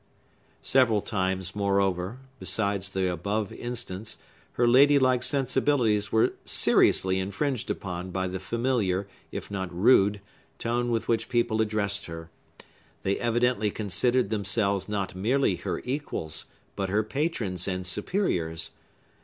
Several times, moreover, besides the above instance, her lady like sensibilities were seriously infringed upon by the familiar, if not rude, tone with which people addressed her. They evidently considered themselves not merely her equals, but her patrons and superiors.